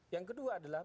yang kedua adalah